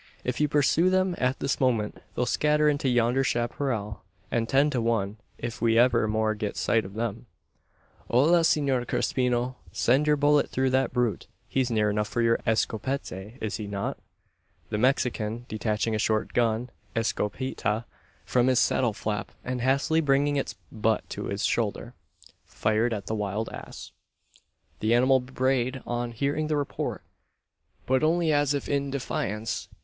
If you pursue them at this moment, they'll scatter into yonder chapparal; and ten to one if we ever more get sight of them. "Hola, Senor Crespino! Send your bullet through that brute. He's near enough for your escopette, is he not?" The Mexican, detaching a short gun "escopeta" from his saddle flap, and hastily bringing its butt to his shoulder, fired at the wild ass. The animal brayed on hearing the report; but only as if in defiance.